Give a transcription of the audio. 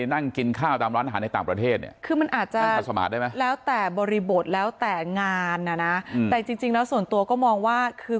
นั่งคาสมาตรได้มั้ย